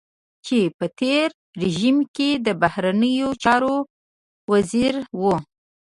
چې په تېر رژيم کې د بهرنيو چارو وزير و.